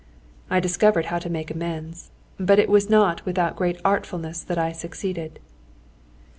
I discovered how to make amends, but it was not without great artfulness that I succeeded.